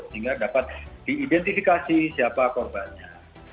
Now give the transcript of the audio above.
sehingga dapat diidentifikasi siapa korbannya